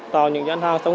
tạo những dán hàng